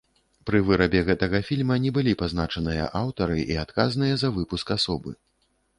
Пры вырабе гэтага фільма не былі пазначаныя аўтары і адказныя за выпуск асобы.